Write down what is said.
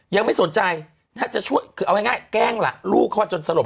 ยังไม่สนใจจะช่วยคือเอาง่ายแกล้งล่ะลูกเขาจนสลบ